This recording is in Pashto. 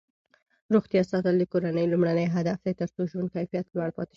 روغتیا ساتل د کورنۍ لومړنی هدف دی ترڅو ژوند کیفیت لوړ پاتې شي.